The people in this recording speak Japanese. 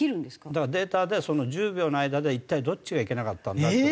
だからデータでその１０秒の間で一体どっちがいけなかったんだと。